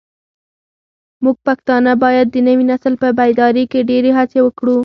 موږ پښتانه بايد د نوي نسل په بيداري کې ډيرې هڅې وکړو داسې